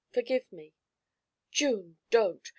Forgive me!' 'June, don't!